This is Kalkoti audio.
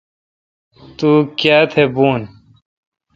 تو کایتھ بھو۔